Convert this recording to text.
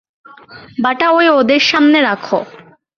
বাটা ঐ ওঁদের সামনে রাখো।